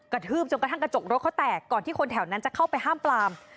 ทืบจนกระทั่งกระจกรถเขาแตกก่อนที่คนแถวนั้นจะเข้าไปห้ามปลาม